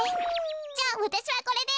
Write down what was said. じゃあわたしはこれで。